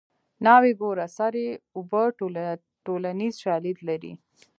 ناوې ګوره سر یې اوبه ټولنیز شالید لري